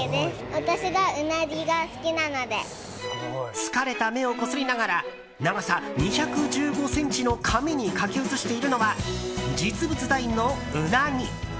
疲れた目をこすりながら長さ２１５ｃｍの紙に書き写しているのは実物大のウナギ。